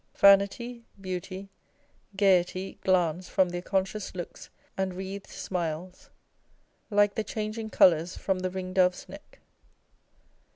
Vanity, beauty, gaiety glance from their conscious looks and wreathed smiles, like the changing colours from the ring dove's neck.